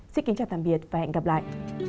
xin kính chào tạm biệt và hẹn gặp lại